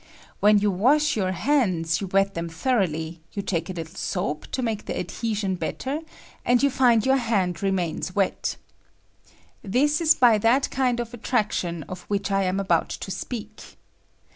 When I you wash your hands, you wet them thorough ly ; you take a httle soap to make the adhesion »l)etteT, and you And your hand remains wet. This is by that kind of attraction of which I fim about to speak.